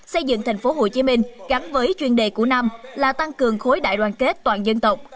xây dựng tp hcm gắn với chuyên đề của năm là tăng cường khối đại đoàn kết toàn dân tộc